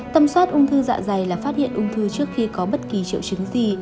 tâm soát ung thư dạ dày là phát hiện ung thư trước khi có bất kỳ triệu chứng gì